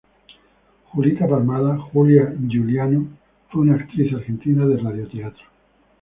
Julita Palmada -Julia Giuliano- fue una actriz argentina de radioteatro.